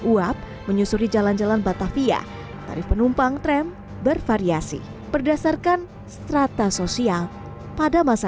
uap menyusuri jalan jalan batavia tarif penumpang tram bervariasi berdasarkan strata sosial pada masa